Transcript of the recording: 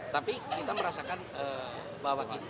tapi kita merasakan bahwa